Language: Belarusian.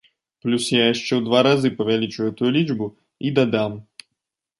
Плюс я яшчэ ў два разы павялічу гэтую лічбу і дадам.